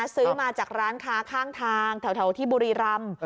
ซื้อมาจากร้านค้าข้างทางแถวที่บุรีรำ